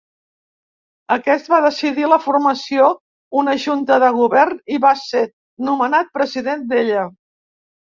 Aquest va decidir la formació d'una Junta de Govern, i va ser nomenat president d'ella.